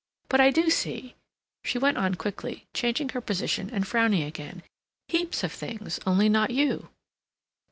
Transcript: But I do see," she went on quickly, changing her position and frowning again, "heaps of things, only not you."